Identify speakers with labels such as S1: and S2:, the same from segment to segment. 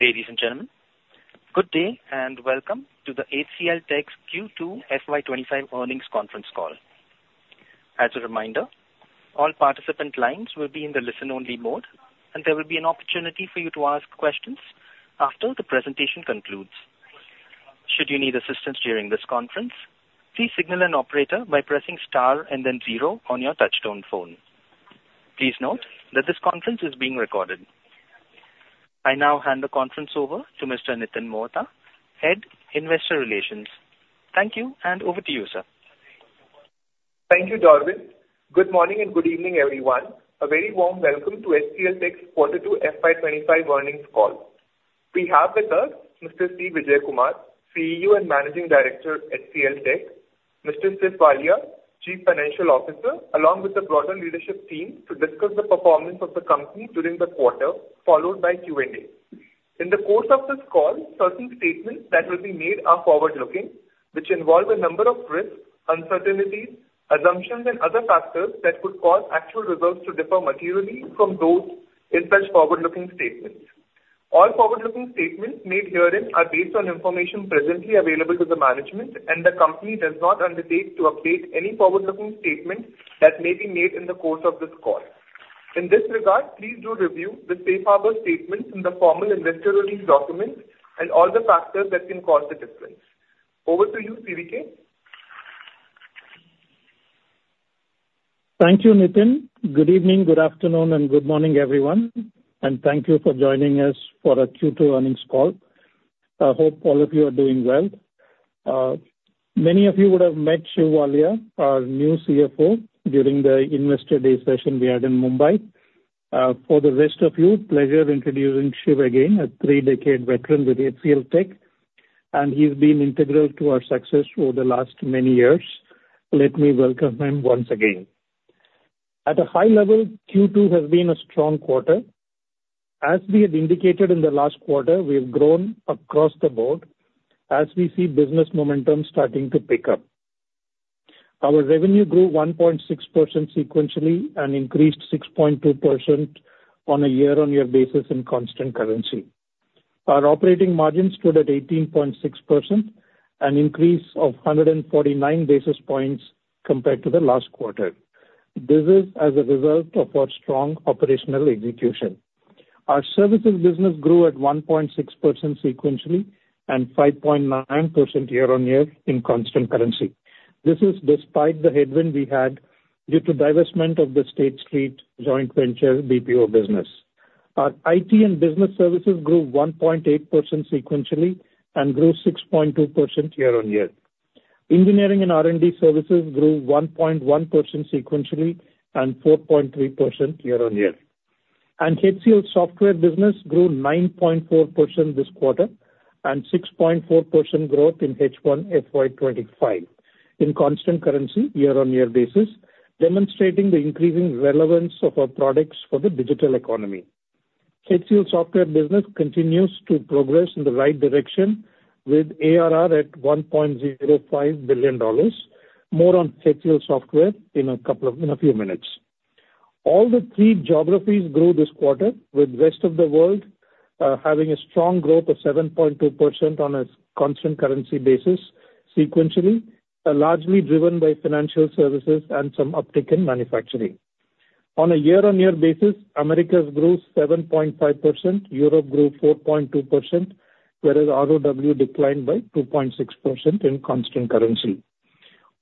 S1: Ladies and gentlemen, good day, and welcome to the HCLTech's Q2 FY 2025 Earnings Conference Call. As a reminder, all participant lines will be in the listen-only mode, and there will be an opportunity for you to ask questions after the presentation concludes. Should you need assistance during this conference, please signal an operator by pressing star and then zero on your touchtone phone. Please note that this conference is being recorded. I now hand the conference over to Mr. Nitin Mohta, Head, Investor Relations. Thank you, and over to you, sir.
S2: Thank you, Darren. Good morning and good evening, everyone. A very warm welcome to HCLTech's quarter two FY 2025 earnings call. We have with us Mr. C. Vijayakumar, CEO and Managing Director, HCLTech, Mr. Shiv Walia, Chief Financial Officer, along with the broader leadership team, to discuss the performance of the company during the quarter, followed by Q&A. In the course of this call, certain statements that will be made are forward-looking, which involve a number of risks, uncertainties, assumptions, and other factors that could cause actual results to differ materially from those in such forward-looking statements. All forward-looking statements made herein are based on information presently available to the management, and the company does not undertake to update any forward-looking statements that may be made in the course of this call. In this regard, please do review the safe harbor statements in the formal investor release documents and all the factors that can cause the difference. Over to you, CVK.
S3: Thank you, Nitin. Good evening, good afternoon, and good morning, everyone, and thank you for joining us for our Q2 earnings call. I hope all of you are doing well. Many of you would have met Shiv Walia, our new CFO, during the Investor Day session we had in Mumbai. For the rest of you, pleasure introducing Shiv again, a three-decade veteran with HCLTech, and he's been integral to our success over the last many years. Let me welcome him once again. At a high level, Q2 has been a strong quarter. As we had indicated in the last quarter, we have grown across the board as we see business momentum starting to pick up. Our revenue grew 1.6% sequentially and increased 6.2% on a year-on-year basis in constant currency. Our operating margin stood at 18.6%, an increase of 149 basis points compared to the last quarter. This is as a result of our strong operational execution. Our services business grew at 1.6% sequentially and 5.9% year-on-year in constant currency. This is despite the headwind we had due to divestment of the State Street joint venture BPO business. Our IT and business services grew 1.8% sequentially and grew 6.2% year-on-year. Engineering and R&D services grew 1.1% sequentially and 4.3% year-on-year. And HCLSoftware business grew 9.4% this quarter and 6.4% growth in H1 FY 2025 in constant currency, year-on-year basis, demonstrating the increasing relevance of our products for the digital economy. HCLSoftware business continues to progress in the right direction, with ARR at $1.05 billion. More on HCLSoftware in a couple of, in a few minutes. All the three geographies grew this quarter, with Rest of the World having a strong growth of 7.2% on a constant currency basis sequentially, largely driven by financial services and some uptick in manufacturing. On a year-on-year basis, Americas grew 7.5%, Europe grew 4.2%, whereas ROW declined by 2.6% in constant currency.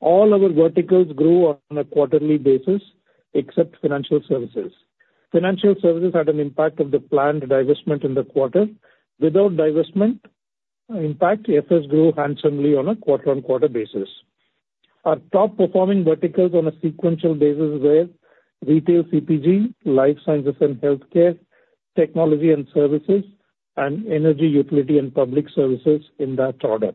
S3: All our verticals grew on a quarterly basis, except Financial Services. Financial services had an impact of the planned divestment in the quarter. Without divestment, impact, FS grew handsomely on a quarter-on-quarter basis. Our top performing verticals on a sequential basis were Retail & CPG, life sciences and healthcare, technology and services, and energy, utility and public services in that order.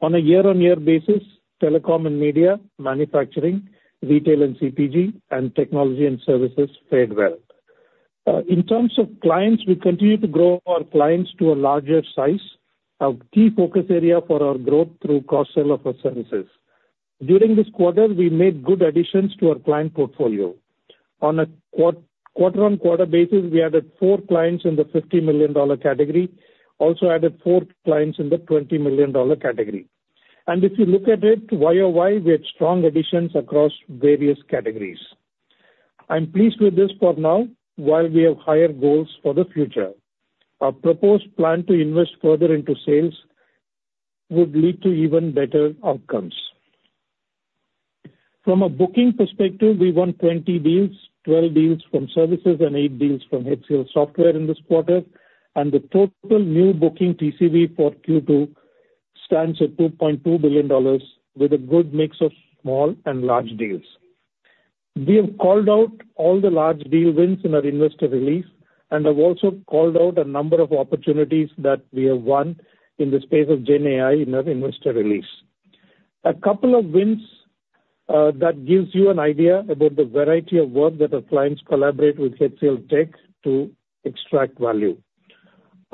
S3: On a year-on-year basis, Telecom and Media, Manufacturing, Retail & CPG, and technology and services fared well. In terms of clients, we continue to grow our clients to a larger size, a key focus area for our growth through cross-sell of our services. During this quarter, we made good additions to our client portfolio. On a quarter-on-quarter basis, we added four clients in the $50 million category, also added four clients in the $20 million category. And if you look at it, YoY, we had strong additions across various categories. I'm pleased with this for now, while we have higher goals for the future. Our proposed plan to invest further into sales would lead to even better outcomes. From a booking perspective, we won 20 deals, twelve deals from services and eight deals from HCLSoftware in this quarter, and the total new booking TCV for Q2 stands at $2.2 billion, with a good mix of small and large deals. We have called out all the large deal wins in our investor release, and I've also called out a number of opportunities that we have won in the space of GenAI in our investor release. A couple of wins that gives you an idea about the variety of work that our clients collaborate with HCLTech to extract value.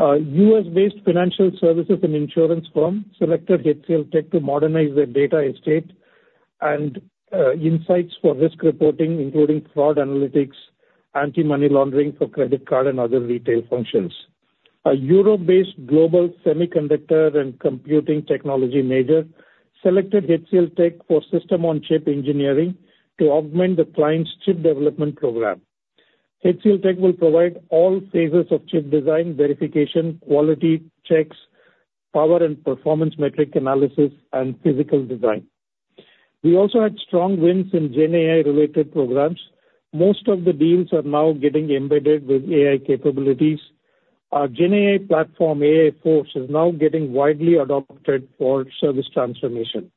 S3: U.S.-based Financial Services and insurance firm selected HCLTech to modernize their data estate and insights for risk reporting, including fraud analytics, anti-money laundering for credit card and other retail functions. A Europe-based global semiconductor and computing technology major selected HCLTech for System-on-Chip engineering to augment the client's chip development program. HCLTech will provide all phases of chip design, verification, quality checks, power and performance metric analysis, and physical design. We also had strong wins in GenAI-related programs. Most of the deals are now getting embedded with AI capabilities. Our GenAI platform, AI Force, is now getting widely adopted for service transformation.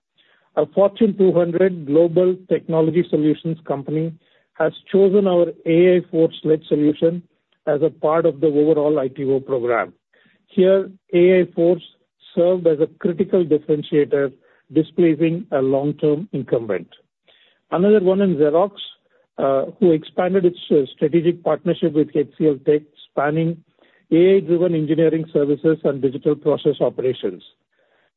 S3: A Fortune 200 global technology solutions company has chosen our AI Force-led solution as a part of the overall ITO program. Here, AI Force served as a critical differentiator, displacing a long-term incumbent. Another one in Xerox, who expanded its strategic partnership with HCLTech, spanning AI-driven engineering services and digital process operations.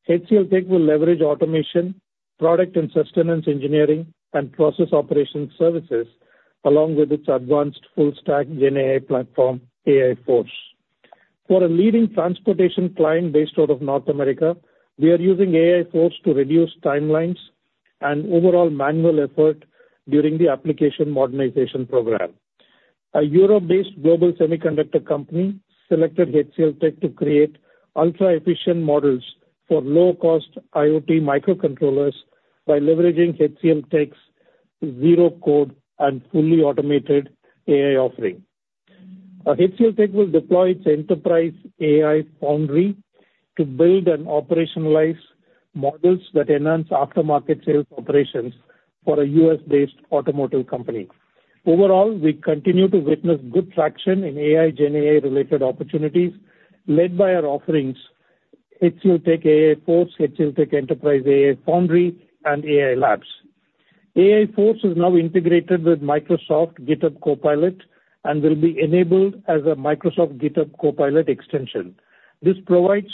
S3: HCLTech will leverage automation, product and sustenance engineering, and process operations services, along with its advanced full-stack GenAI platform, AI Force. For a leading transportation client based out of North America, we are using AI Force to reduce timelines and overall manual effort during the application modernization program. A Europe-based global semiconductor company selected HCLTech to create ultra-efficient models for low-cost IoT microcontrollers by leveraging HCLTech's zero code and fully automated AI offering. HCLTech will deploy its Enterprise AI Foundry to build and operationalize models that enhance aftermarket sales operations for a U.S.-based automotive company. Overall, we continue to witness good traction in AI, GenAI-related opportunities led by our offerings, HCLTech AI Force, HCLTech Enterprise AI Foundry, and AI Labs. AI Force is now integrated with Microsoft GitHub Copilot and will be enabled as a Microsoft GitHub Copilot extension. This provides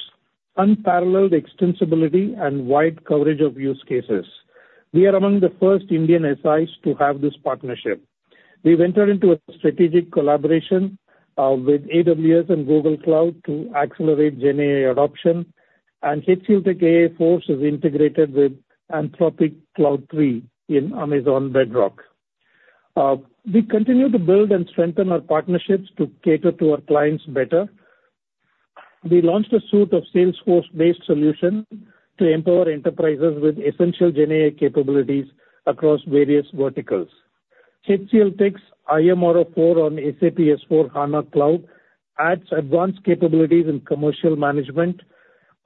S3: unparalleled extensibility and wide coverage of use cases. We are among the first Indian SIs to have this partnership. We've entered into a strategic collaboration with AWS and Google Cloud to accelerate GenAI adoption, and HCLTech AI Force is integrated with Anthropic's Claude 3 in Amazon Bedrock. We continue to build and strengthen our partnerships to cater to our clients better. We launched a suite of Salesforce-based solution to empower enterprises with essential GenAI capabilities across various verticals. HCLTech's iMRO4 on SAP S/4HANA Cloud adds advanced capabilities in commercial management.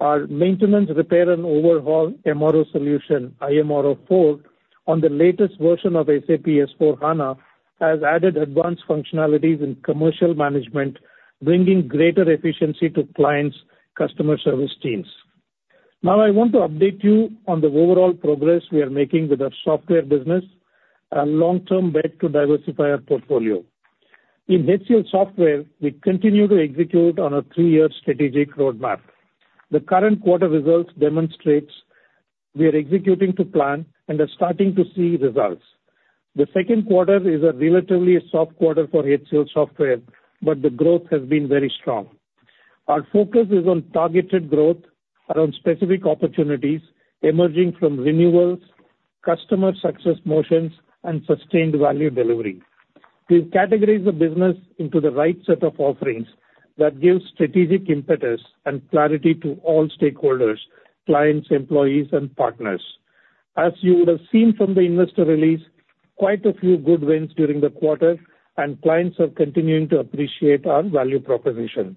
S3: Our maintenance, repair, and overhaul MRO solution, iMRO4, on the latest version of SAP S/4HANA, has added advanced functionalities in commercial management, bringing greater efficiency to clients' customer service teams. Now, I want to update you on the overall progress we are making with our software business and long-term bet to diversify our portfolio. In HCL Software, we continue to execute on a three-year strategic roadmap. The current quarter results demonstrates we are executing to plan and are starting to see results. The second quarter is a relatively soft quarter for HCL Software, but the growth has been very strong. Our focus is on targeted growth around specific opportunities emerging from renewals, customer success motions, and sustained value delivery. We've categorized the business into the right set of offerings that gives strategic impetus and clarity to all stakeholders, clients, employees, and partners. As you would have seen from the investor release, quite a few good wins during the quarter, and clients are continuing to appreciate our value proposition.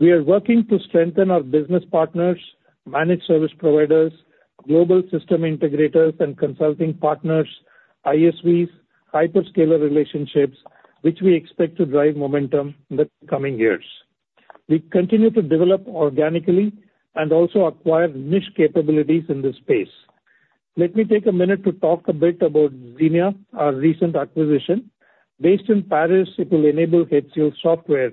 S3: We are working to strengthen our business partners, managed service providers, global system integrators and consulting partners, ISVs, hyperscaler relationships, which we expect to drive momentum in the coming years. We continue to develop organically and also acquire niche capabilities in this space. Let me take a minute to talk a bit about Zeenea, our recent acquisition. Based in Paris, it will enable HCL Software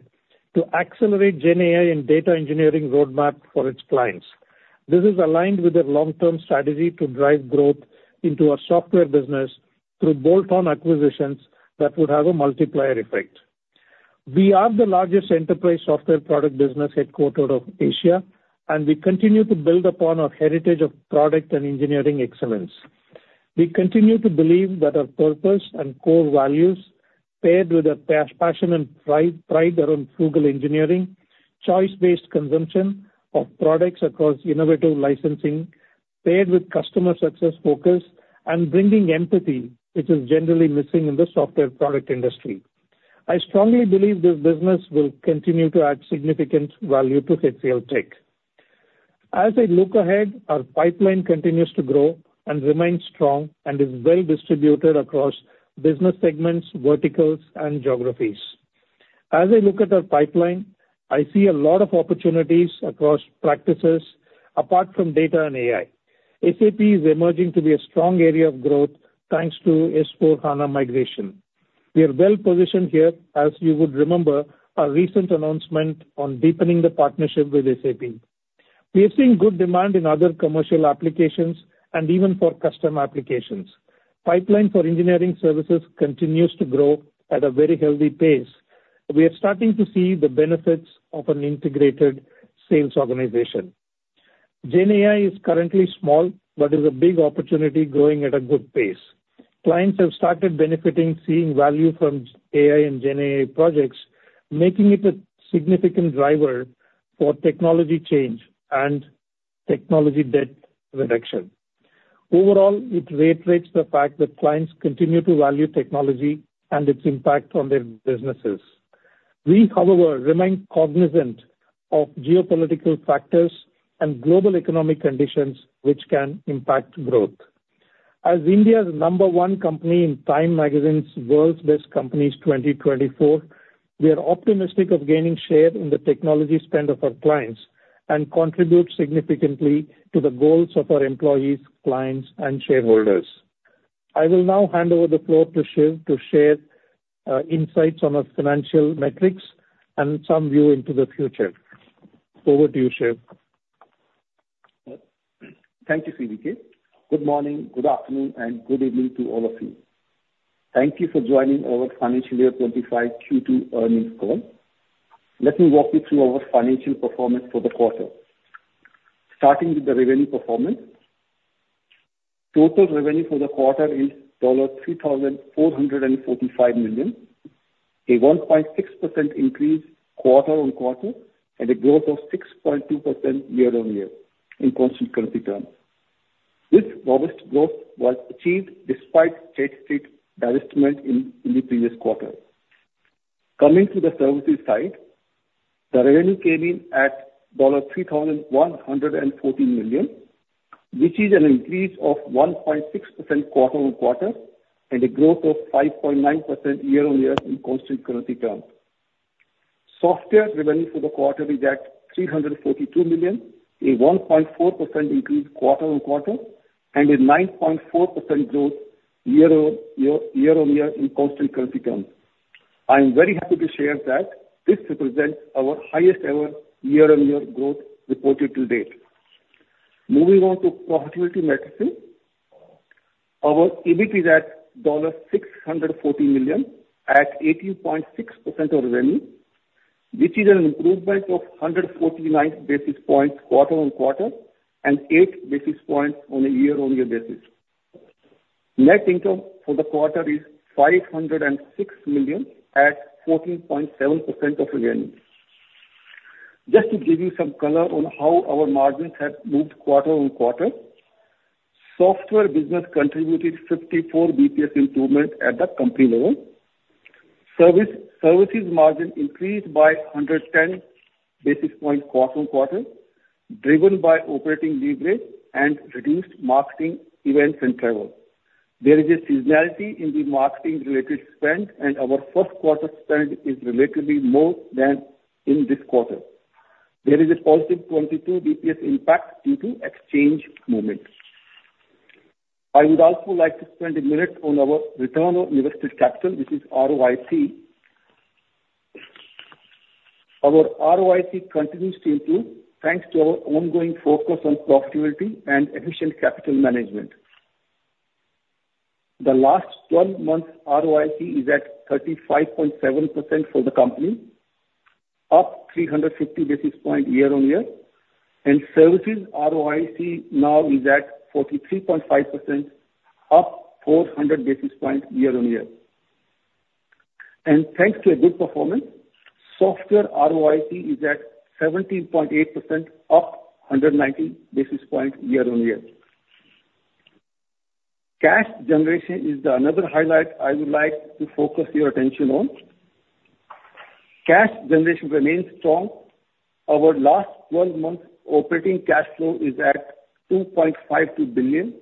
S3: to accelerate GenAI and data engineering roadmap for its clients. This is aligned with their long-term strategy to drive growth into our software business through bolt-on acquisitions that would have a multiplier effect. We are the largest enterprise software product business headquartered of Asia, and we continue to build upon our heritage of product and engineering excellence. We continue to believe that our purpose and core values, paired with a passion and pride around frugal engineering, choice-based consumption of products across innovative licensing, paired with customer success focus and bringing empathy, which is generally missing in the software product industry. I strongly believe this business will continue to add significant value to HCLTech. As I look ahead, our pipeline continues to grow and remains strong and is well distributed across business segments, verticals, and geographies. As I look at our pipeline, I see a lot of opportunities across practices apart from data and AI. SAP is emerging to be a strong area of growth, thanks to S/4HANA migration. We are well positioned here, as you would remember our recent announcement on deepening the partnership with SAP. We are seeing good demand in other commercial applications and even for custom applications. Pipeline for engineering services continues to grow at a very healthy pace. We are starting to see the benefits of an integrated sales organization. Gen AI is currently small, but is a big opportunity growing at a good pace. Clients have started benefiting, seeing value from AI and Gen AI projects, making it a significant driver for technology change and technology debt reduction. Overall, it reiterates the fact that clients continue to value technology and its impact on their businesses. We, however, remain cognizant of geopolitical factors and global economic conditions which can impact growth. As India's number one company in Time Magazine's World's Best Companies 2024, we are optimistic of gaining share in the technology spend of our clients and contribute significantly to the goals of our employees, clients, and shareholders. I will now hand over the floor to Shiv to share insights on our financial metrics and some view into the future. Over to you, Shiv.
S4: Thank you, CVK. Good morning, good afternoon, and good evening to all of you. Thank you for joining our financial year 2025 Q2 earnings call. Let me walk you through our financial performance for the quarter. Starting with the revenue performance. Total revenue for the quarter is $3,445 million, a 1.6% increase quarter-on-quarter, and a growth of 6.2% year-on-year in constant currency terms. This robust growth was achieved despite State Street divestment in the previous quarter. Coming to the services side, the revenue came in at $3,114 million, which is an increase of 1.6% quarter on quarter and a growth of 5.9% year-on-year in constant currency terms. Software revenue for the quarter is at $342 million, a 1.4% increase quarter-on-quarter, and a 9.4% growth year-on-year in constant currency terms. I am very happy to share that this represents our highest ever year-on-year growth reported to date. Moving on to profitability metrics. Our EBIT is at $640 million, at 18.6% of revenue, which is an improvement of 149 basis points quarter on quarter and 8 basis points on a year-on-year basis. Net income for the quarter is $506 million at 14.7% of revenue. Just to give you some color on how our margins have moved quarter on quarter, software business contributed 54 basis points improvement at the company level. Services margin increased by 110 basis points quarter on quarter, driven by operating leverage and reduced marketing events and travel. There is a seasonality in the marketing-related spend, and our first quarter spend is relatively more than in this quarter. There is a positive 22 basis points impact due to exchange movements. I would also like to spend a minute on our return on invested capital, which is ROIC. Our ROIC continues to improve, thanks to our ongoing focus on profitability and efficient capital management. The last twelve months ROIC is at 35.7% for the company, up 350 basis points year on year, and services ROIC now is at 43.5%, up 400 basis points year on year. And thanks to a good performance, software ROIC is at 17.8%, up 190 basis points year on year. Cash generation is another highlight I would like to focus your attention on. Cash generation remains strong. Our last 12 months operating cash flow is at $2.52 billion,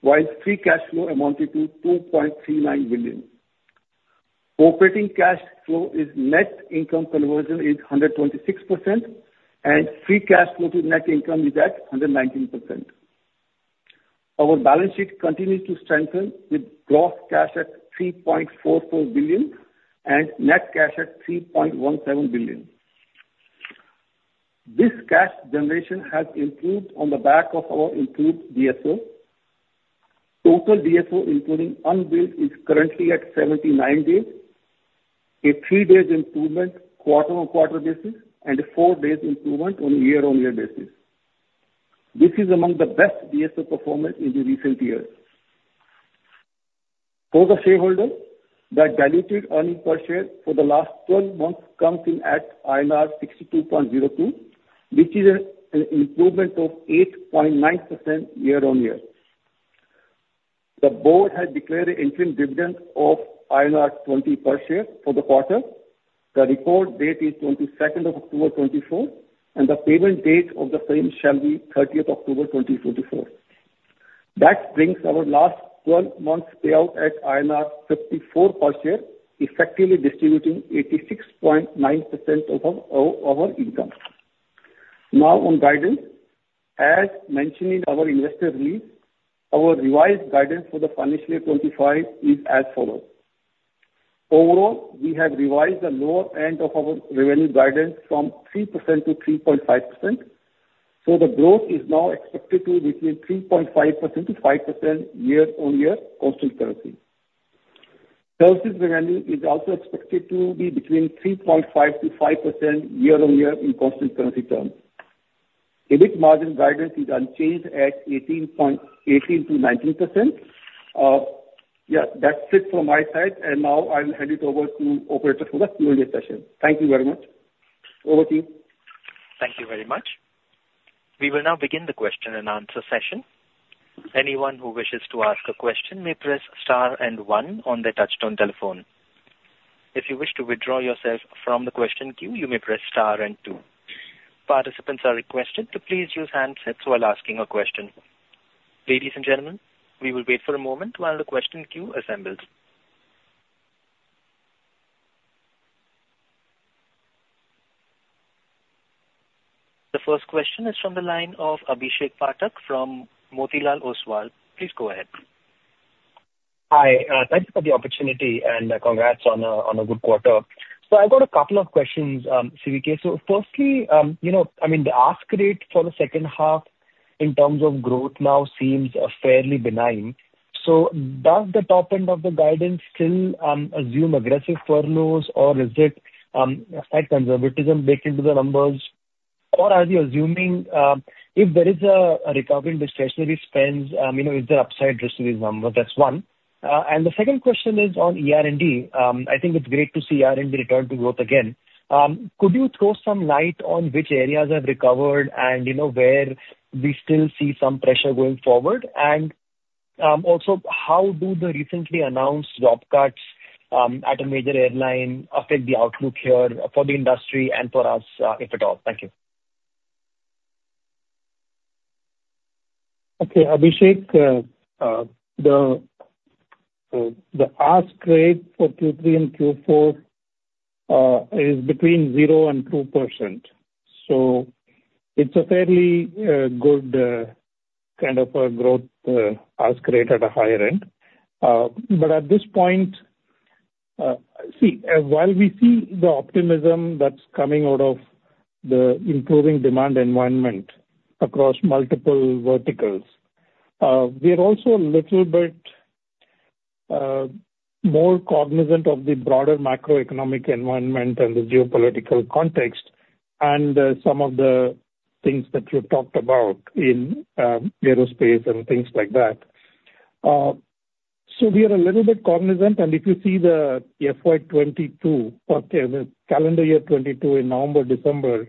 S4: while free cash flow amounted to $2.39 billion. Operating cash flow to net income conversion is 126%, and free cash flow to net income is at 119%. Our balance sheet continues to strengthen, with gross cash at $3.44 billion and net cash at $3.17 billion. This cash generation has improved on the back of our improved DSO. Total DSO, including unbilled, is currently at 79 days, a 3-day improvement on a quarter-on-quarter basis and a 4-day improvement on a year-on-year basis. This is among the best DSO performance in recent years. For the shareholder, the diluted earnings per share for the last 12 months comes in at INR 62.02, which is an improvement of 8.9% year on year. The board has declared an interim dividend of INR 20 per share for the quarter. The record date is 22nd of October, 2024, and the payment date of the same shall be 30th October 2024. That brings our last 12 months payout at INR 54 per share, effectively distributing 86.9% of our income. Now on guidance. As mentioned in our investor release, our revised guidance for the financial year 2025 is as follows: Overall, we have revised the lower end of our revenue guidance from 3%-3.5%, so the growth is now expected to be between 3.5%-5% year-on-year constant currency. Services revenue is also expected to be between 3.5%-5% year-on-year in constant currency terms. EBIT margin guidance is unchanged at 18%-19%. Yeah, that's it from my side, and now I'll hand it over to operator for the Q&A session. Thank you very much. Over to you.
S1: Thank you very much. We will now begin the question-and-answer session. Anyone who wishes to ask a question may press star and one on their touchtone telephone. If you wish to withdraw yourself from the question queue, you may press star and two. Participants are requested to please use handsets while asking a question. Ladies and gentlemen, we will wait for a moment while the question queue assembles. The first question is from the line of Abhishek Pathak from Motilal Oswal. Please go ahead.
S5: Hi, thanks for the opportunity and, congrats on a good quarter. So I've got a couple of questions, CVK. So firstly, you know, I mean, the ask rate for the second half in terms of growth now seems fairly benign. So does the top end of the guidance still assume aggressive furloughs, or is it a slight conservatism baked into the numbers? Or are you assuming, if there is a recovery in discretionary spends, you know, is there upside risk to these numbers? That's one. And the second question is on ER&D. I think it's great to see ER&D return to growth again. Could you throw some light on which areas have recovered and you know, where we still see some pressure going forward? And, also, how do the recently announced job cuts at a major airline affect the outlook here for the industry and for us, if at all? Thank you.
S3: Okay, Abhishek, the ask rate for Q3 and Q4 is between 0% and 2%. It's a fairly good kind of a growth ask rate at a higher end, but at this point, while we see the optimism that's coming out of the improving demand environment across multiple verticals, we are also a little bit more cognizant of the broader macroeconomic environment and the geopolitical context and some of the things that you talked about in aerospace and things like that. So we are a little bit cognizant, and if you see the FY 2022, the calendar year 2022 in November, December,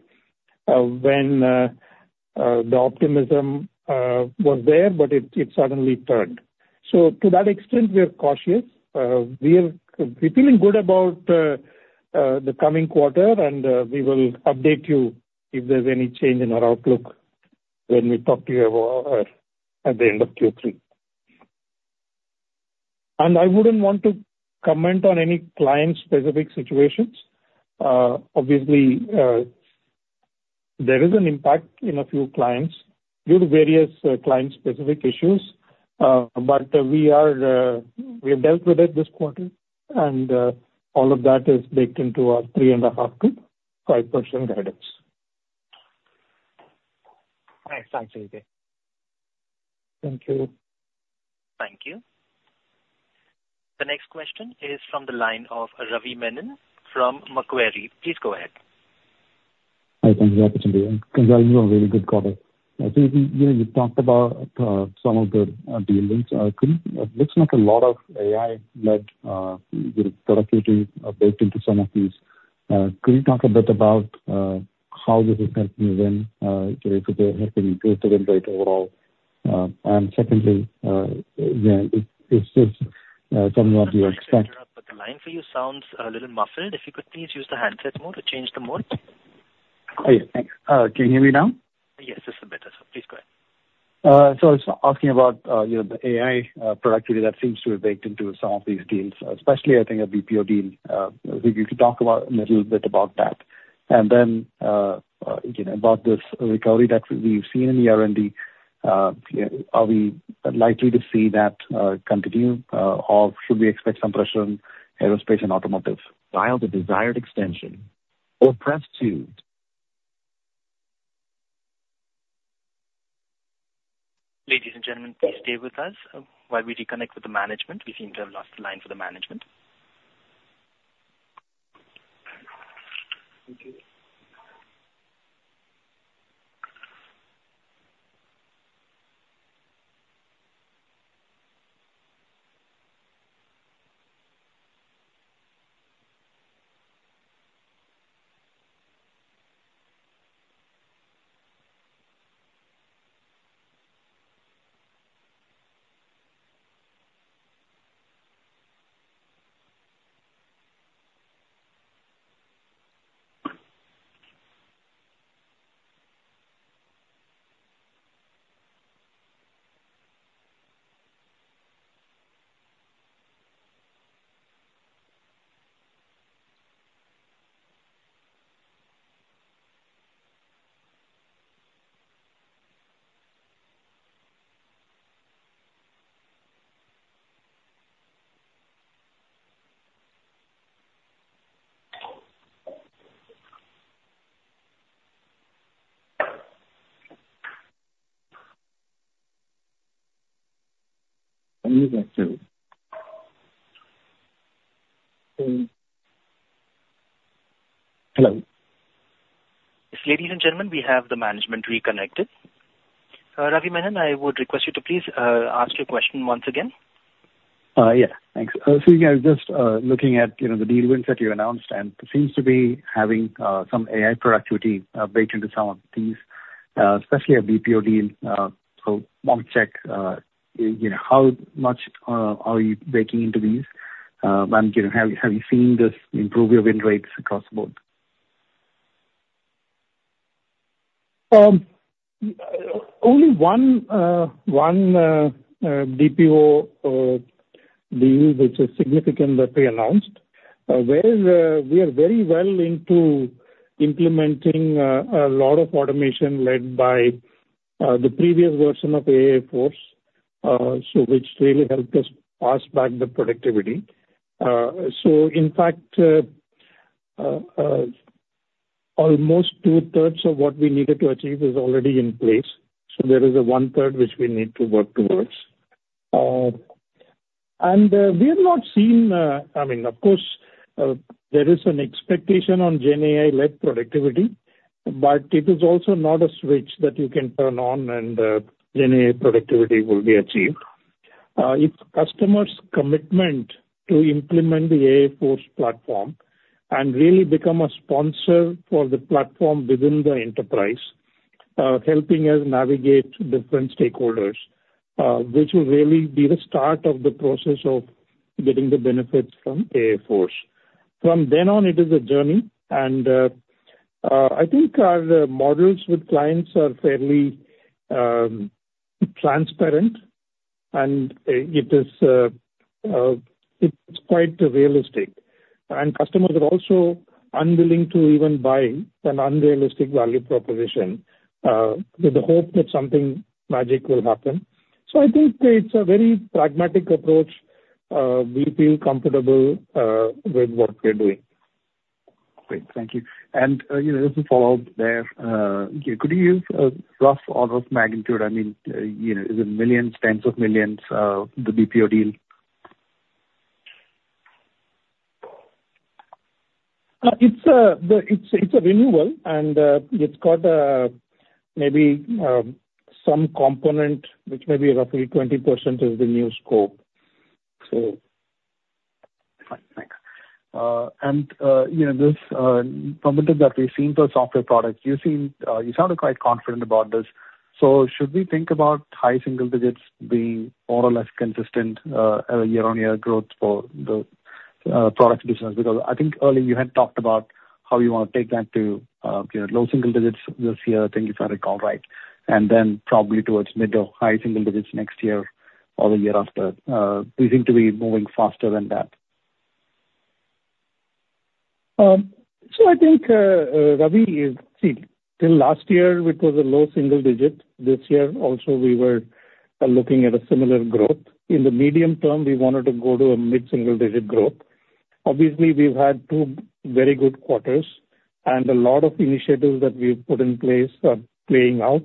S3: when the optimism was there, but it suddenly turned, so to that extent, we are cautious. We are feeling good about the coming quarter, and we will update you if there's any change in our outlook when we talk to you about at the end of Q3. And I wouldn't want to comment on any client-specific situations. Obviously, there is an impact in a few clients due to various client-specific issues. But we are, we have dealt with it this quarter, and all of that is baked into our 3.5%-5% guidance.
S5: Thanks. Thanks, CVK.
S3: Thank you.
S1: Thank you. The next question is from the line of Ravi Menon from Macquarie. Please go ahead.
S6: Hi, thank you for the opportunity, and congrats on a really good quarter. So you know, you talked about some of the deals. Looks like a lot of AI-led, you know, productivity are baked into some of these. Could you talk a bit about how this is helping you win, you know, helping growth overall? And secondly, yeah, if this somewhat you expect-
S1: Sorry to interrupt, but the line for you sounds a little muffled. If you could please use the handset mode or change the mode.
S6: Okay, thanks. Can you hear me now?
S1: Yes, this is better. So please go ahead.
S6: So I was asking about, you know, the AI productivity that seems to have baked into some of these deals, especially I think a BPO deal. If you could talk about a little bit about that. And then, you know, about this recovery that we've seen in the R&D, you know, are we likely to see that continue, or should we expect some pressure on aerospace and automotive?
S1: Dial the desired extension or press two. Ladies and gentlemen, please stay with us while we reconnect with the management. We seem to have lost the line for the management.
S3: Thank you....
S6: Hello?
S1: Ladies and gentlemen, we have the management reconnected. Ravi Menon, I would request you to please ask your question once again.
S6: Yeah, thanks. So yeah, I was just looking at, you know, the deal wins that you announced, and it seems to be having some AI productivity baked into some of these, especially a BPO deal. So, want to check, you know, how much are you baking into these? And, you know, have you seen this improve your win rates across the board?
S3: Only one BPO deal, which is significant that we announced, whereas we are very well into implementing a lot of automation led by the previous version of AI Force, so which really helped us pass back the productivity. So in fact, almost two-thirds of what we needed to achieve is already in place, so there is a one-third which we need to work towards. And we have not seen... I mean, of course, there is an expectation on GenAI-led productivity, but it is also not a switch that you can turn on, and GenAI productivity will be achieved. It's customers' commitment to implement the AI Force platform and really become a sponsor for the platform within the enterprise, helping us navigate different stakeholders, which will really be the start of the process of getting the benefits from AI Force. From then on, it is a journey, and I think our models with clients are fairly transparent, and it is quite realistic. Customers are also unwilling to even buy an unrealistic value proposition with the hope that something magic will happen. So I think it's a very pragmatic approach. We feel comfortable with what we're doing.
S6: Great. Thank you. And, you know, just to follow up there, could you give a rough order of magnitude? I mean, you know, is it millions, tens of millions, the BPO deal?
S3: It's a renewal, and it's got maybe some component, which may be roughly 20% of the new scope. So...
S6: Fine. Thanks. And, you know, this, from what we've seen for software products, you seem, you sounded quite confident about this. So should we think about high single digits being more or less consistent, year-on-year growth for the, product business? Because I think earlier you had talked about how you want to take that to, you know, low single digits this year, I think if I recall right, and then probably towards mid to high single digits next year or the year after. We seem to be moving faster than that.
S3: So I think, Ravi. See, till last year, it was a low single digit. This year also, we were looking at a similar growth. In the medium term, we wanted to go to a mid-single digit growth. Obviously, we've had two very good quarters, and a lot of initiatives that we've put in place are playing out.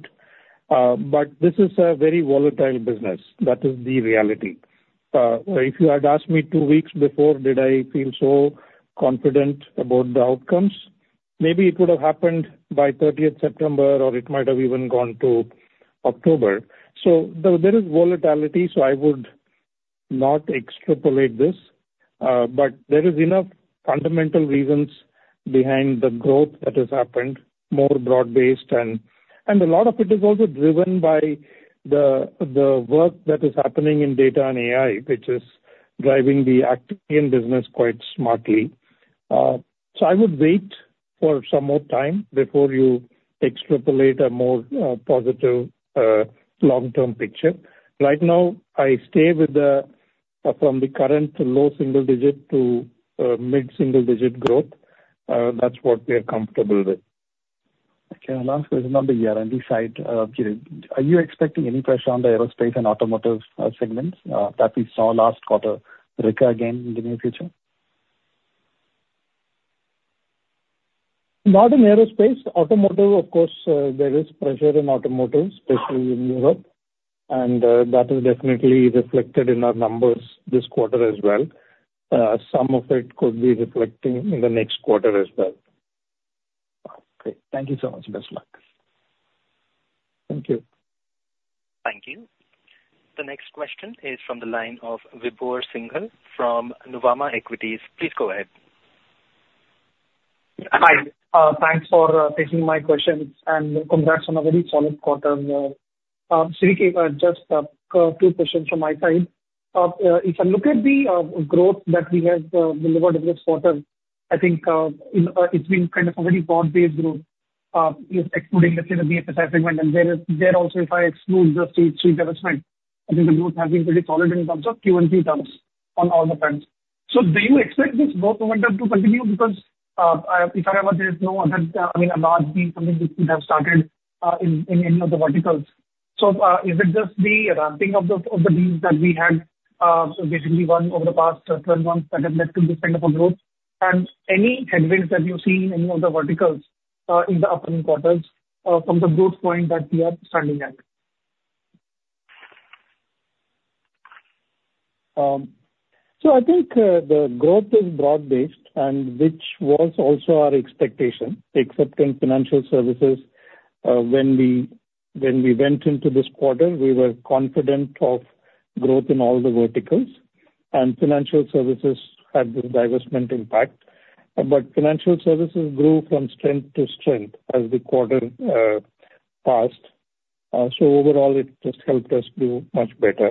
S3: But this is a very volatile business. That is the reality. If you had asked me two weeks before, did I feel so confident about the outcomes? Maybe it would have happened by thirtieth September, or it might have even gone to October. So there is volatility, so I would not extrapolate this. But there is enough fundamental reasons behind the growth that has happened, more broad-based, and a lot of it is also driven by the work that is happening in data and AI, which is driving the ER&D business quite smartly. So I would wait for some more time before you extrapolate a more positive long-term picture. Right now, I stay with from the current low single digit to mid-single digit growth. That's what we are comfortable with.
S6: Okay, and last question on the R&D side. Are you expecting any pressure on the aerospace and automotive segments that we saw last quarter to recur again in the near future?
S3: Not in aerospace. Automotive, of course, there is pressure in automotive, especially in Europe, and that is definitely reflected in our numbers this quarter as well. Some of it could be reflecting in the next quarter as well.
S6: Okay. Thank you so much. Best luck.
S3: Thank you.
S1: Thank you. The next question is from the line of Vibhor Singhal from Nuvama Equities. Please go ahead.
S7: Hi, thanks for taking my questions, and congrats on a very solid quarter. CVK, just two questions from my side. If I look at the growth that we have delivered this quarter, I think it's been kind of a very broad-based growth. Excluding the BFSI segment, and there also if I exclude the State Street divestment, I think the group has been pretty solid in terms of Q over Q terms on all the fronts. So do you expect this growth momentum to continue? Because if I were, there is no other, I mean, a large deal coming, which we have started in any of the verticals. Is it just the ramping of the deals that we had, so basically won over the past twelve months that have led to this kind of a growth? Any headwinds that you see in any of the verticals in the upcoming quarters from the growth point that we are standing at?
S3: So I think the growth is broad-based, and which was also our expectation, except in financial services. When we went into this quarter, we were confident of growth in all the verticals, and financial services had the divestment impact. But financial services grew from strength to strength as the quarter passed. So overall, it just helped us do much better.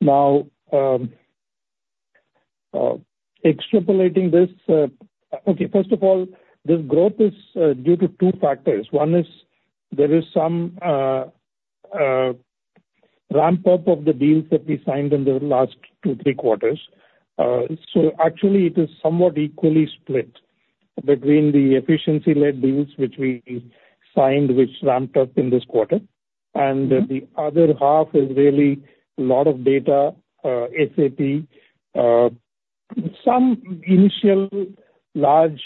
S3: Now, extrapolating this... Okay, first of all, this growth is due to two factors. One is there is some ramp-up of the deals that we signed in the last two, three quarters. So actually it is somewhat equally split between the efficiency-led deals which we signed, which ramped up in this quarter, and the other half is really a lot of data, SAP, some initial large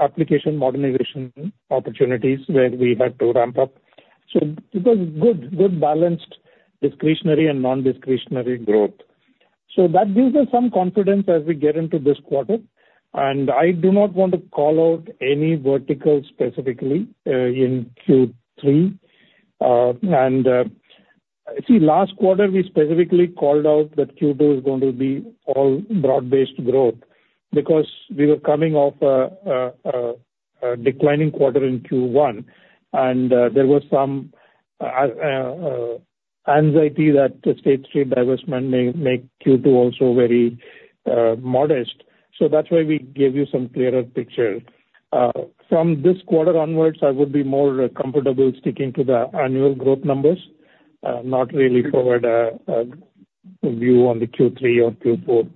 S3: application modernization opportunities where we had to ramp up. So it was good, balanced, discretionary and non-discretionary growth. So that gives us some confidence as we get into this quarter, and I do not want to call out any verticals specifically in Q3. Last quarter, we specifically called out that Q2 is going to be all broad-based growth because we were coming off a declining quarter in Q1, and there was some anxiety that the State Street divestment may make Q2 also very modest. So that's why we gave you some clearer picture. From this quarter onwards, I would be more comfortable sticking to the annual growth numbers, not really forward a view on the Q3 or Q4.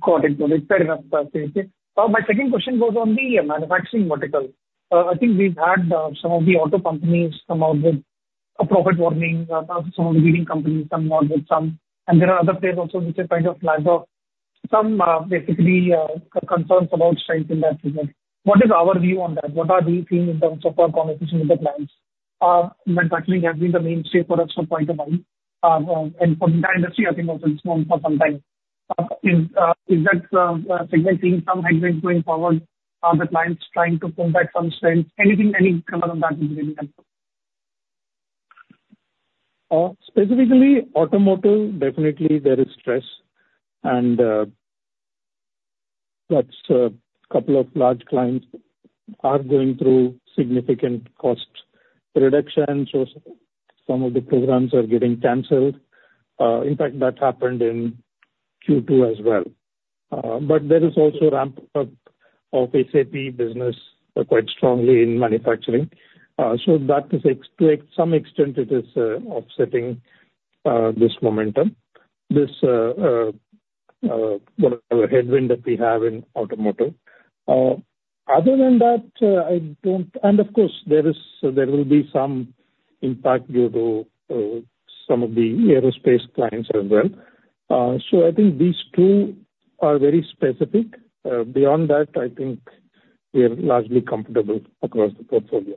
S7: Got it. Fair enough. My second question goes on the Manufacturing vertical. I think we've had some of the auto companies come out with a profit warning, some of the leading companies, some more than some. And there are other players also which have kind of flagged off some, basically, concerns about strength in that segment. What is our view on that? What are we seeing in terms of our conversation with the clients? Manufacturing has been the mainstay for us for quite a while. And for the industry, I think also it's known for some time. Is that signaling some headwinds going forward? Are the clients trying to combat some strengths? Anything, any color on that would really help.
S3: Specifically automotive, definitely there is stress, and that's a couple of large clients are going through significant cost reduction, so some of the programs are getting canceled. In fact, that happened in Q2 as well, but there is also ramp-up of SAP business quite strongly in manufacturing, so that is, to some extent, it is offsetting this momentum, what headwind that we have in automotive. Other than that, I don't... and of course, there is, there will be some impact due to some of the aerospace clients as well, so I think these two are very specific. Beyond that, I think we are largely comfortable across the portfolio.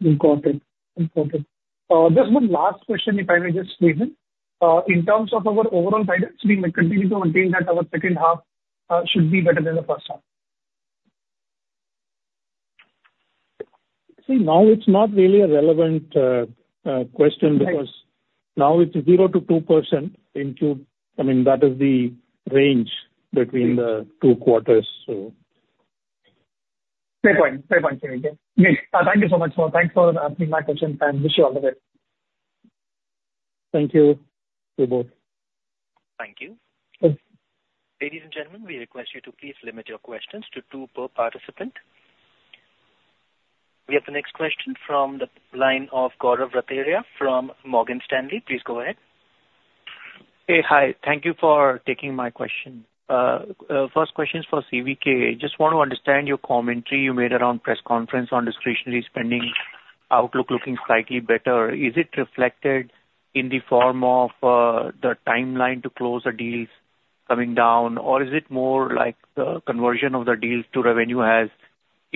S7: Just one last question, if I may just squeeze in. In terms of our overall guidance, we may continue to maintain that our second half should be better than the first half.
S3: See, now it's not really a relevant question-
S7: Right.
S3: - because now it's 0%-2% in Q. I mean, that is the range between the two quarters, so.
S7: Fair point. Fair point, CVK. Okay. Thank you so much for, thanks for answering my questions, and wish you all the best.
S3: Thank you. You both.
S1: Thank you.
S7: Thanks.
S1: Ladies and gentlemen, we request you to please limit your questions to two per participant. We have the next question from the line of Gaurav Rateria from Morgan Stanley. Please go ahead.
S8: Hey. Hi, thank you for taking my question. First question is for CVK. Just want to understand your commentary you made around press conference on discretionary spending outlook looking slightly better. Is it reflected in the form of the timeline to close the deals coming down? Or is it more like the conversion of the deals to revenue has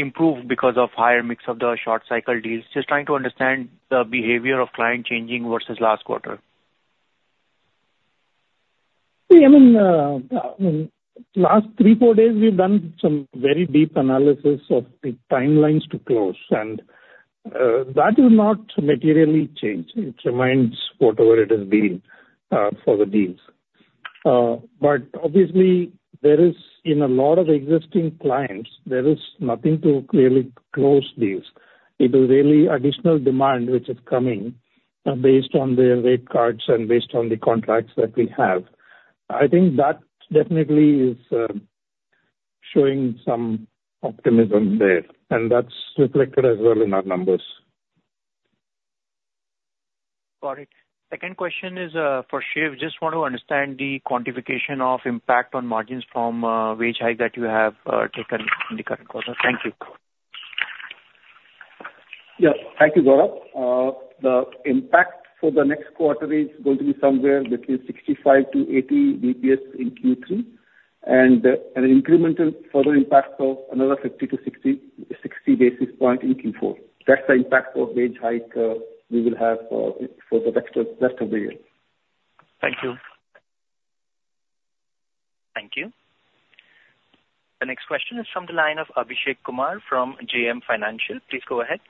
S8: improved because of higher mix of the short cycle deals? Just trying to understand the behavior of client changing versus last quarter.
S3: See, I mean, last three, four days, we've done some very deep analysis of the timelines to close, and that is not materially changed. It remains whatever it has been, for the deals, but obviously, there is, in a lot of existing clients, nothing to clearly close deals. It is really additional demand which is coming, based on their rate cards and based on the contracts that we have... I think that definitely is showing some optimism there, and that's reflected as well in our numbers.
S8: Got it. Second question is for Shiv. Just want to understand the quantification of impact on margins from wage hike that you have taken in the current quarter. Thank you.
S4: Yeah. Thank you, Gaurav. The impact for the next quarter is going to be somewhere between 65-80 bps in Q3, and an incremental further impact of another 50-60 basis points in Q4. That's the impact of wage hike we will have for the rest of the year.
S8: Thank you.
S1: Thank you. The next question is from the line of Abhishek Kumar from JM Financial. Please go ahead.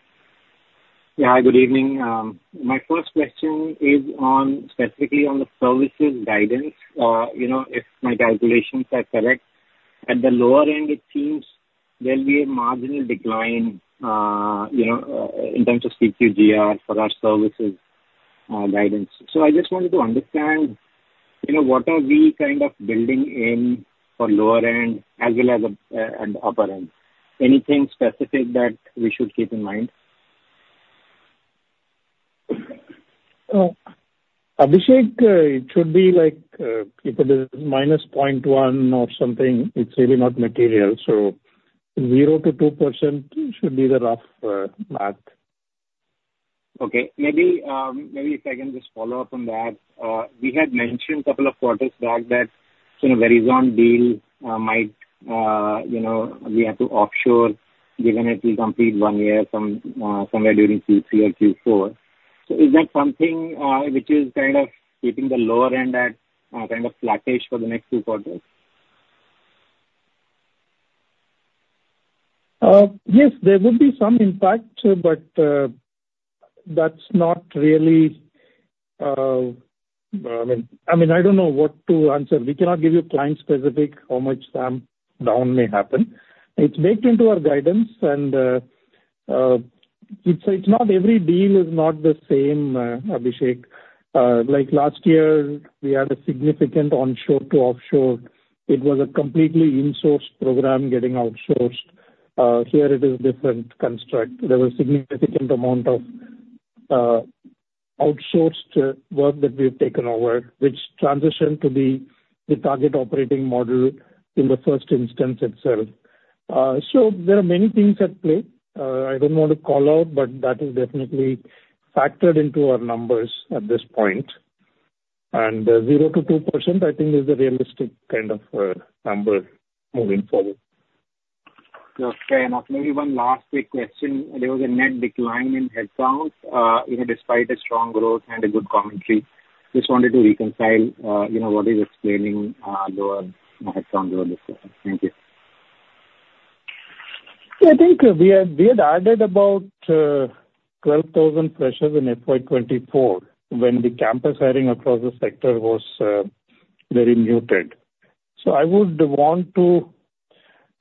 S9: Yeah. Hi, good evening. My first question is on, specifically on the services guidance. You know, if my calculations are correct, at the lower end, it seems there'll be a marginal decline, you know, in terms of CQGR for our services guidance. So I just wanted to understand, you know, what are we kind of building in for lower end as well as and upper end? Anything specific that we should keep in mind?
S3: Abhishek, it should be like, if it is -0.1 or something, it's really not material, so 0%-2% should be the rough mark.
S9: Okay. Maybe, maybe if I can just follow up on that. We had mentioned couple of quarters back that, you know, the Verizon deal might, you know, we have to offshore given it will complete one year from somewhere during Q3 or Q4. So is that something which is kind of keeping the lower end at kind of flattish for the next two quarters?
S3: Yes, there would be some impact, but that's not really, I mean, I mean, I don't know what to answer. We cannot give you client-specific, how much down may happen. It's baked into our guidance, and it's not every deal is not the same, Abhishek. Like last year, we had a significant onshore to offshore. It was a completely insourced program getting outsourced. Here it is different construct. There was significant amount of outsourced work that we've taken over, which transitioned to the target operating model in the first instance itself. So there are many things at play. I don't want to call out, but that is definitely factored into our numbers at this point. And 0%-2%, I think, is a realistic kind of number moving forward.
S9: Okay. And maybe one last quick question: There was a net decline in headcount, you know, despite a strong growth and a good commentary. Just wanted to reconcile, you know, what is explaining lower headcounts over this time? Thank you.
S3: Yeah, I think we had added about twelve thousand freshers in FY 2024, when the campus hiring across the sector was very muted. So I would want to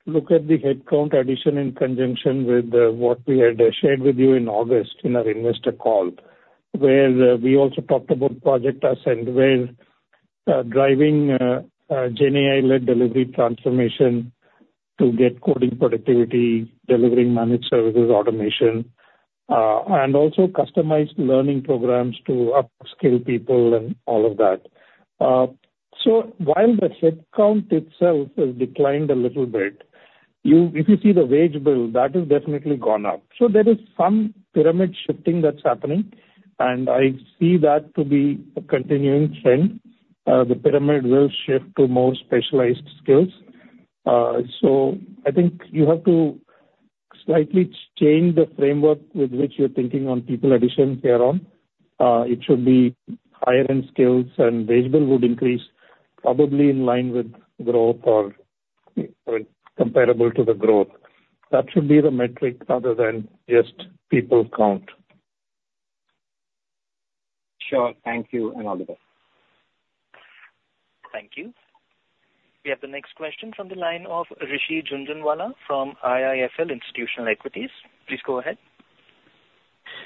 S3: look at the headcount addition in conjunction with what we had shared with you in August in our investor call, where we also talked about Project Ascend, where driving GenAI-led delivery transformation to get coding productivity, delivering managed services, automation, and also customized learning programs to upskill people and all of that. So while the headcount itself has declined a little bit, you if you see the wage bill, that has definitely gone up. So there is some pyramid shifting that's happening, and I see that to be a continuing trend. The pyramid will shift to more specialized skills. So, I think you have to slightly change the framework with which you're thinking on people addition hereon. It should be higher-end skills, and wage bill would increase probably in line with growth or comparable to the growth. That should be the metric other than just people count.
S9: Sure. Thank you, and have a good day.
S1: Thank you. We have the next question from the line of Rishi Jhunjhunwala from IIFL Institutional Equities. Please go ahead.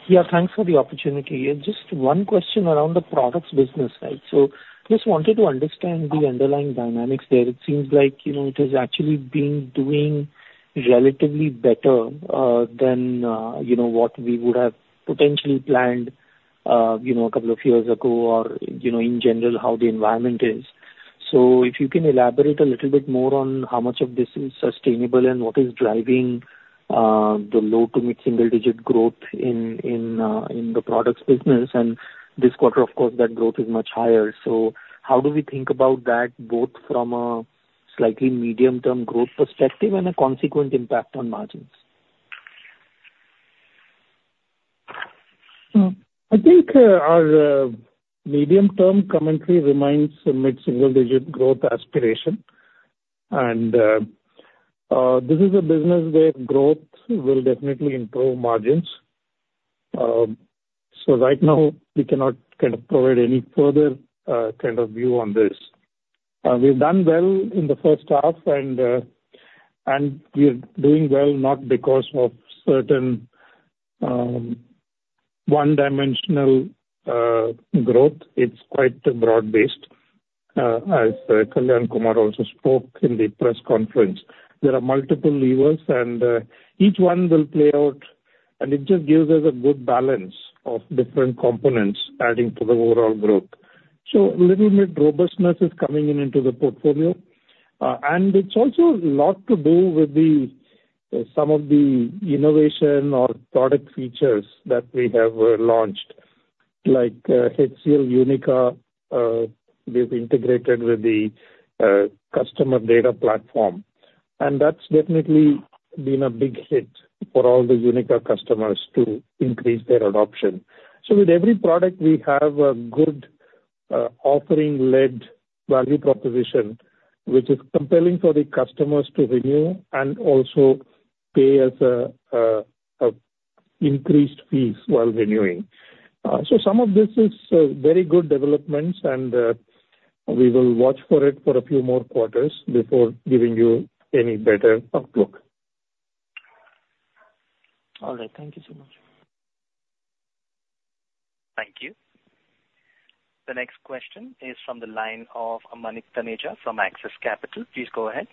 S10: Yeah, thanks for the opportunity. Just one question around the products business side. So just wanted to understand the underlying dynamics there. It seems like, you know, it has actually been doing relatively better than, you know, what we would have potentially planned, you know, a couple of years ago, or, you know, in general, how the environment is. So if you can elaborate a little bit more on how much of this is sustainable and what is driving the low to mid-single digit growth in the products business. And this quarter, of course, that growth is much higher. So how do we think about that, both from a slightly medium-term growth perspective and a consequent impact on margins?
S3: I think our medium-term commentary remains a mid-single digit growth aspiration, and this is a business where growth will definitely improve margins. So right now, we cannot kind of provide any further kind of view on this. We've done well in the first half, and we are doing well not because of certain one-dimensional growth. It's quite broad-based, as Kalyan Kumar also spoke in the press conference. There are multiple levers, and each one will play out, and it just gives us a good balance of different components adding to the overall growth. So little bit robustness is coming into the portfolio. And it's also a lot to do with some of the innovation or product features that we have launched, like HCL Unica. We've integrated with the customer data platform. And that's definitely been a big hit for all the Unica customers to increase their adoption. So with every product, we have a good offering-led value proposition, which is compelling for the customers to renew and also pay us an increased fees while renewing. So some of this is very good developments, and we will watch for it for a few more quarters before giving you any better outlook.
S10: All right. Thank you so much.
S1: Thank you. The next question is from the line of Manik Taneja from Axis Capital. Please go ahead.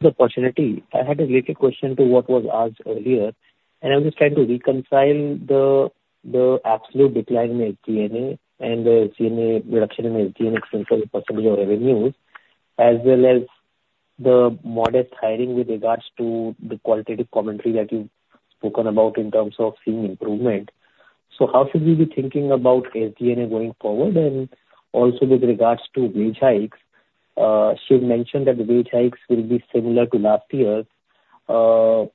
S11: The opportunity. I had a related question to what was asked earlier, and I'm just trying to reconcile the absolute decline in SG&A and the SG&A reduction in SG&A expense, possibly your revenues, as well as the modest hiring with regards to the qualitative commentary that you've spoken about in terms of seeing improvement. So how should we be thinking about SG&A going forward? And also, with regards to wage hikes, Shiv mentioned that the wage hikes will be similar to last year. The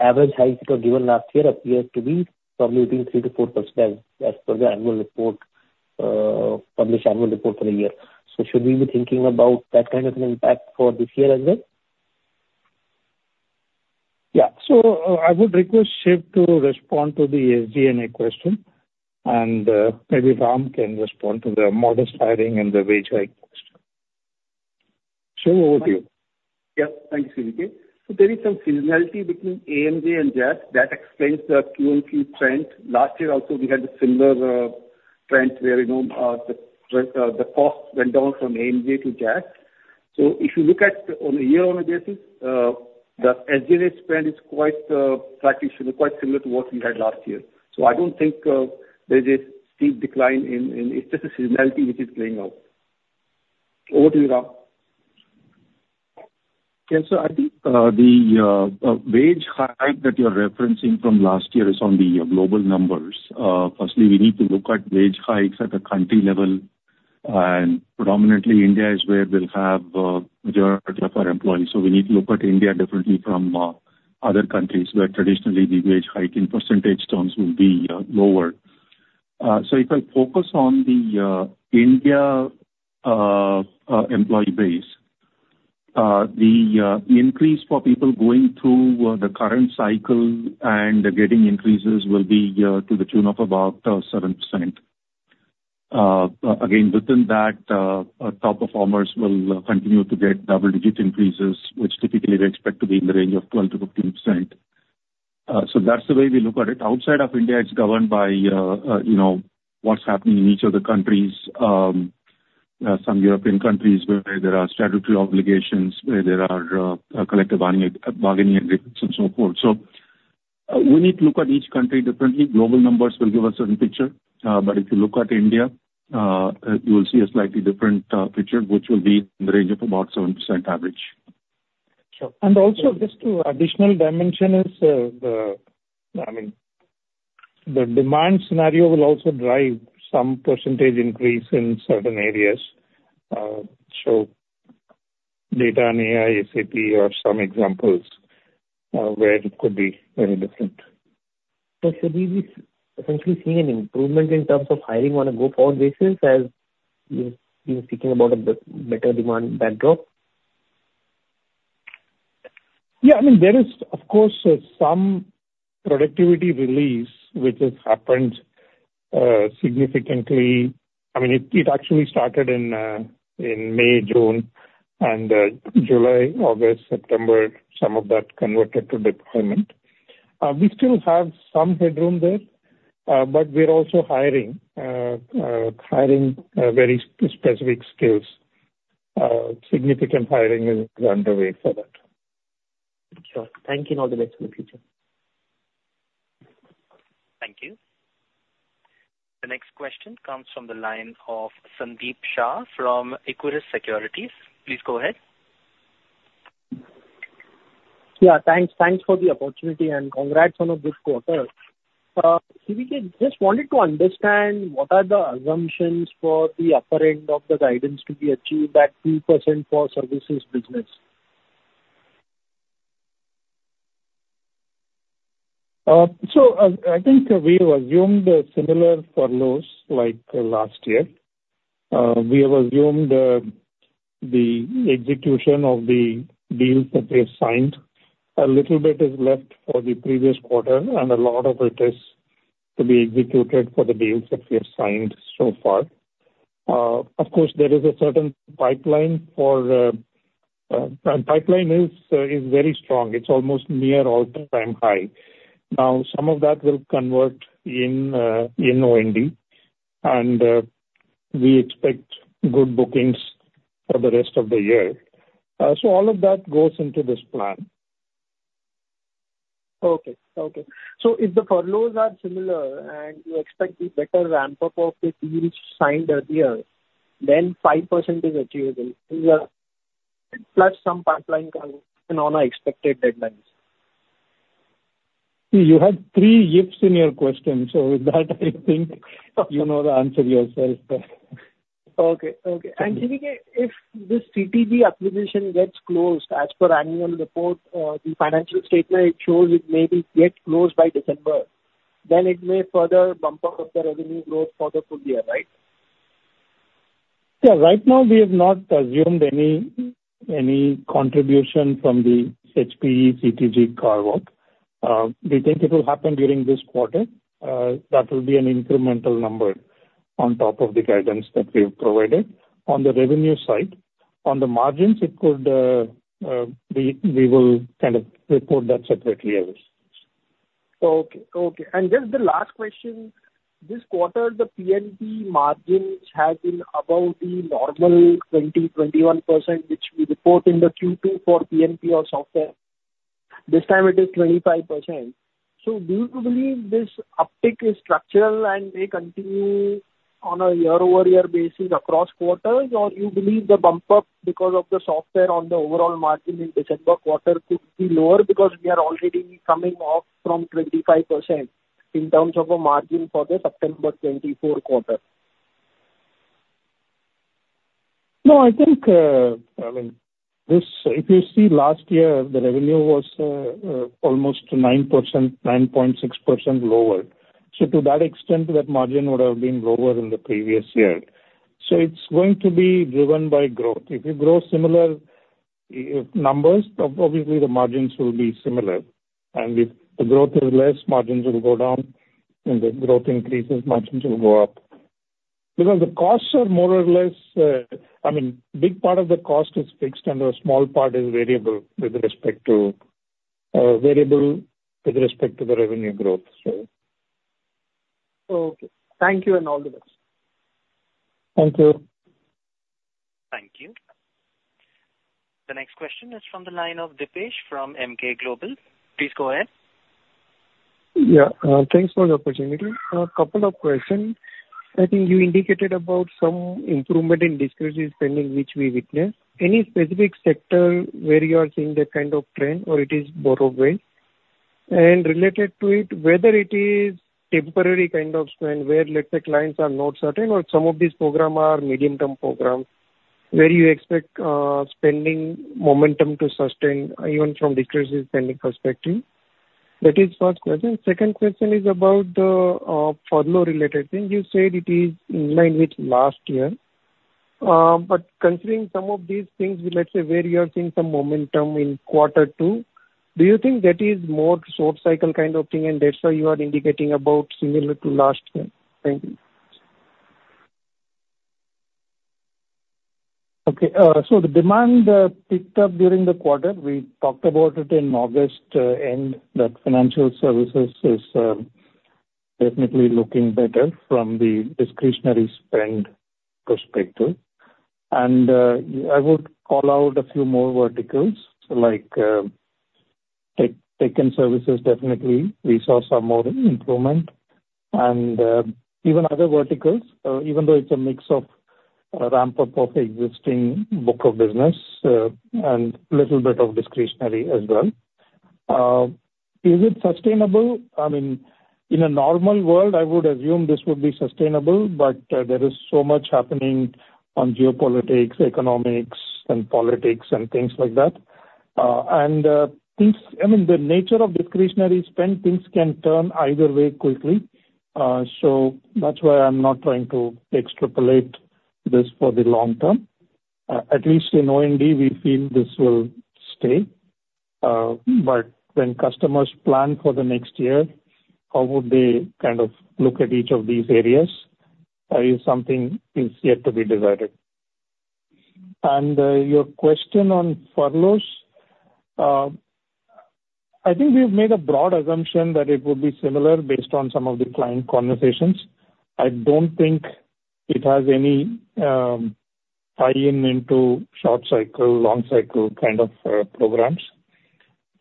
S11: average hikes that were given last year appears to be probably between 3% to 4%, as per the published annual report for the year. So should we be thinking about that kind of an impact for this year as well?
S3: Yeah. So, I would request Shiv to respond to the SG&A question, and, maybe Ram can respond to the modest hiring and the wage hike question. Shiv, over to you.
S4: Yeah, thanks, CVK. So there is some seasonality between AMJ and JAS that explains the QoQ trend. Last year also, we had a similar trend where, you know, the cost went down from AMJ to JAS. So if you look at on a year-on-year basis, the SG&A spend is quite similar to what we had last year. So I don't think there's a steep decline in. It's just a seasonality which is playing out. Over to you, Ram.
S12: Yeah. So I think the wage hike that you're referencing from last year is on the global numbers. Firstly, we need to look at wage hikes at the country level, and predominantly India is where we'll have majority of our employees. So we need to look at India differently from other countries, where traditionally the wage hike in percentage terms will be lower. So if I focus on the India employee base, the increase for people going through the current cycle and getting increases will be to the tune of about 7%. Again, within that, our top performers will continue to get double-digit increases, which typically we expect to be in the range of 12-15%. So that's the way we look at it. Outside of India, it's governed by, you know, what's happening in each of the countries. Some European countries where there are statutory obligations, where there are collective bargaining agreements and so forth. So, we need to look at each country differently. Global numbers will give a certain picture, but if you look at India, you will see a slightly different picture, which will be in the range of about 7% average.
S11: Sure.
S3: And also, just to additional dimension is, I mean, the demand scenario will also drive some percentage increase in certain areas. So data and AI, SAP are some examples, where it could be very different.
S11: Should we be essentially seeing an improvement in terms of hiring on a go-forward basis, as you've been speaking about a better demand backdrop?
S3: Yeah, I mean, there is, of course, some productivity release which has happened, significantly. I mean, it actually started in May, June, and July, August, September, some of that converted to deployment. We still have some headroom there, but we're also hiring very specific skills. Significant hiring is underway for that.
S11: Sure. Thank you, and all the best for the future.
S1: Thank you. The next question comes from the line of Sandeep Shah from Equirus Securities. Please go ahead.
S13: Yeah, thanks. Thanks for the opportunity, and congrats on a good quarter. CVK, just wanted to understand, what are the assumptions for the upper end of the guidance to be achieved, that 2% for services business?
S3: So, I think we have assumed similar furloughs like last year. We have assumed the execution of the deals that we have signed. A little bit is left for the previous quarter, and a lot of it is to be executed for the deals that we have signed so far. Of course, there is a certain pipeline. The pipeline is very strong. It's almost near all-time high. Now, some of that will convert in OND, and we expect good bookings for the rest of the year. So all of that goes into this plan.
S13: If the furloughs are similar, and you expect the better ramp-up of the deals signed earlier, then 5% is achievable, yeah, plus some pipeline coming in on our expected deadlines.
S3: You had three ifs in your question, so with that, I think you know the answer yourself there.
S13: Okay. Okay. And CVK, if this CTG acquisition gets closed as per annual report, the financial statement, it shows it may be get closed by December, then it may further bump up the revenue growth for the full year, right?
S3: Yeah. Right now, we have not assumed any contribution from the HPE CTG carve-out. We think it will happen during this quarter. That will be an incremental number on top of the guidance that we've provided on the revenue side. On the margins, it could, we will kind of report that separately as is.
S13: Okay. Okay. And just the last question. This quarter, the P&P margins have been above the normal 20%-21%, which we report in the Q2 for P&P or software. This time it is 25%. So do you believe this uptick is structural and may continue on a year-over-year basis across quarters? Or you believe the bump up because of the software on the overall margin in December quarter could be lower because we are already coming off from 25% in terms of a margin for the September 2024 quarter?
S3: No, I think, I mean, this, if you see last year, the revenue was almost 9%, 9.6% lower. So to that extent, that margin would have been lower than the previous year. So it's going to be driven by growth. If you grow similar numbers, obviously, the margins will be similar. And if the growth is less, margins will go down, and the growth increases, margins will go up. Because the costs are more or less, I mean, big part of the cost is fixed, and a small part is variable with respect to the revenue growth, so.
S13: Okay. Thank you, and all the best.
S3: Thank you.
S1: Thank you. The next question is from the line of Dipesh from Emkay Global. Please go ahead.
S14: Yeah, thanks for the opportunity. A couple of questions. I think you indicated about some improvement in discretionary spending, which we witnessed. Any specific sector where you are seeing that kind of trend, or it is broad range? And related to it, whether it is temporary kind of spend, where, let's say, clients are not certain or some of these program are medium-term programs, where you expect, spending momentum to sustain even from discretionary spending perspective? That is first question. Second question is about the, furlough-related thing. You said it is in line with last year, but considering some of these things, let's say, where you are seeing some momentum in quarter two, do you think that is more short cycle kind of thing, and that's why you are indicating about similar to last year? Thank you.
S3: Okay, so the demand picked up during the quarter. We talked about it in August end that financial services is definitely looking better from the discretionary spend perspective, and I would call out a few more verticals, like tech, tech and services. Definitely we saw some more improvement, and even other verticals, even though it's a mix of ramp-up of existing book of business and little bit of discretionary as well. Is it sustainable? I mean, in a normal world, I would assume this would be sustainable, but there is so much happening on geopolitics, economics and politics and things like that, and things... I mean, the nature of discretionary spend, things can turn either way quickly, so that's why I'm not trying to extrapolate this for the long term. At least in O&D, we feel this will stay. But when customers plan for the next year, how would they kind of look at each of these areas? Something is yet to be decided. And your question on furloughs, I think we've made a broad assumption that it would be similar based on some of the client conversations. I don't think it has any tie-in into short cycle, long cycle kind of programs,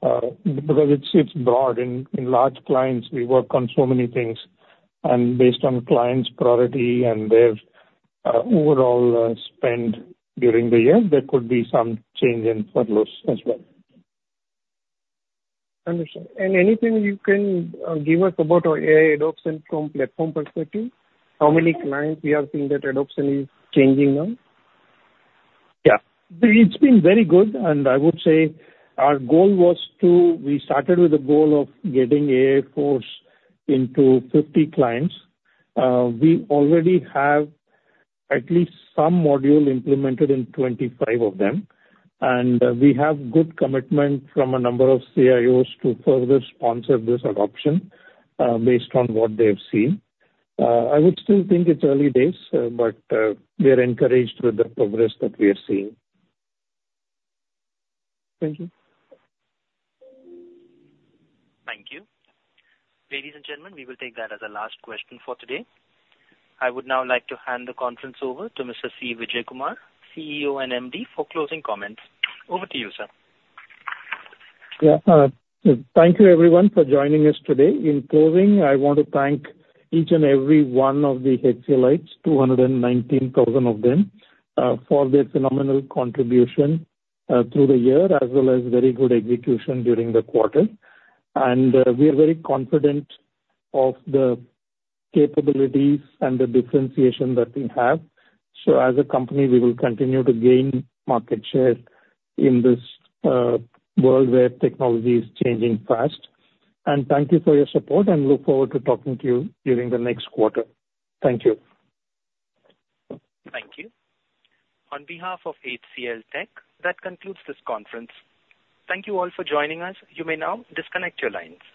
S3: because it's broad. In large clients, we work on so many things, and based on clients' priority and their overall spend during the year, there could be some change in furloughs as well.
S14: Understood. And anything you can give us about our AI adoption from platform perspective? How many clients we are seeing that adoption is changing now?
S3: Yeah. It's been very good, and I would say our goal was to... We started with a goal of getting AI Force into 50 clients. We already have at least some module implemented in 25 of them, and we have good commitment from a number of CIOs to further sponsor this adoption, based on what they have seen. I would still think it's early days, but we are encouraged with the progress that we are seeing.
S14: Thank you.
S1: Thank you. Ladies and gentlemen, we will take that as a last question for today. I would now like to hand the conference over to Mr. C. Vijayakumar, CEO and MD, for closing comments. Over to you, sir.
S3: Yeah, thank you everyone for joining us today. In closing, I want to thank each and every one of the HCLites, two hundred and nineteen thousand of them, for their phenomenal contribution, through the year, as well as very good execution during the quarter, and we are very confident of the capabilities and the differentiation that we have, so as a company, we will continue to gain market share in this world where technology is changing fast, and thank you for your support and look forward to talking to you during the next quarter. Thank you.
S1: Thank you. On behalf of HCLTech, that concludes this conference. Thank you all for joining us. You may now disconnect your lines.